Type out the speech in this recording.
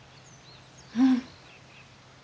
うん。